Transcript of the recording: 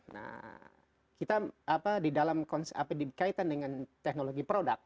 nah kita apa di dalam kaitan dengan teknologi produk